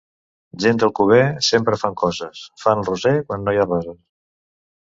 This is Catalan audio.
Gent d'Alcover, sempre fan coses: fan el Roser quan no hi ha roses.